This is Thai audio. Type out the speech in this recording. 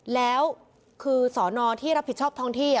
แล้วคือสอนอที่รับผิดชอบท้องที่